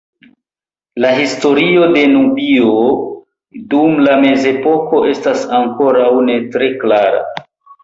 La historio de Nubio dum la mezepoko estas ankoraŭ ne tre klara.